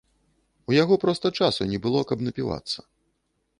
У яго проста часу не было, каб напівацца.